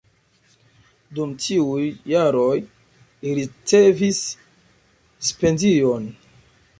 Dum tiuj jaroj li ricevis stipendion.